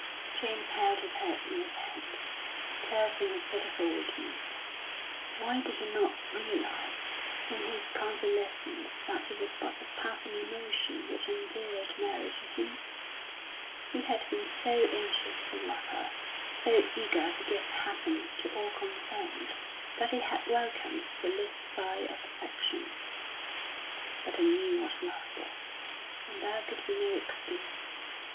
James held his head in his hands, cursing his pitiful weakness. Why did he not realise, in his convalescence, that it was but a passing emotion which endeared Mary to him? He had been so anxious to love her, so eager to give happiness to all concerned, that he had welcomed the least sign of affection; but he knew what love was, and there could be no excuse.